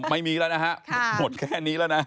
ไม่มีแล้วนะฮะหมดแค่นี้แล้วนะ